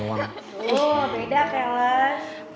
oh beda peles